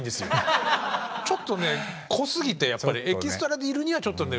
ちょっとね濃すぎてエキストラにいるにはちょっとね。